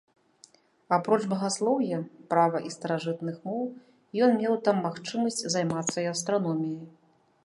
Апроч багаслоўя, права і старажытных моў, ён меў там магчымасць займацца і астраноміяй.